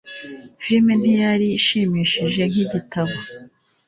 Filime ntiyari ishimishije nkigitabo